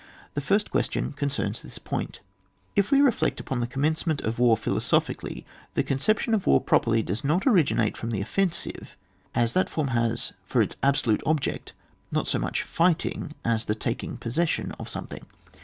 The first question concerns this point If we reflect upon the commencement of war philosophically, the conception of war properly does not originate with the offensive^ as that form has for its absolute object, not so mxix^ fighting as the taking posaeasian of something.